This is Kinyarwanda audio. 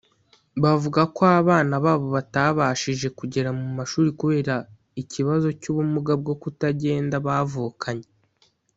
bavuga ko abana babo batabashije kugera mu mashuri kubera ikibazo cy’ubumuga bwo kutagenda bavukanye